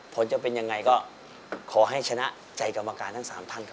ผลจะเป็นยังไงก็ขอให้ชนะใจกรรมการทั้ง๓ท่านครับ